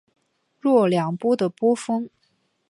若两波的波峰。